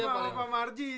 terima pak marji